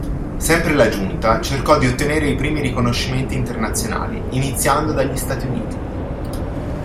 Sempre la giunta cercò di ottenere i primi riconoscimenti internazionali, iniziando dagli Stati Uniti.